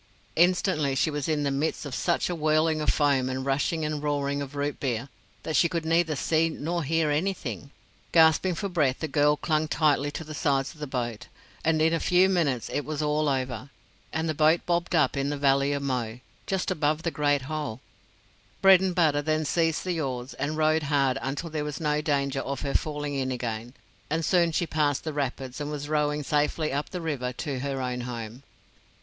Instantly she was in the midst of such a whirling of foam and rushing and roaring of rootbeer that she could neither see nor hear anything. Gasping for breath, the girl clung tightly to the sides of the boat, and in a few minutes it was all over, and the boat bobbed up in the Valley of Mo just above the Great Hole. Bredenbutta then seized the oars and rowed hard until there was no danger of her falling in again, and soon she had passed the rapids and was rowing safely up the river to her own home.